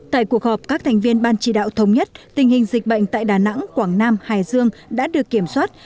tại cuộc họp các thành viên ban chỉ đạo thống nhất tình hình dịch bệnh tại đà nẵng quảng nam hải dương đã được kiểm soát